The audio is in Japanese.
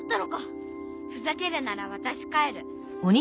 ふざけるならわたし帰る。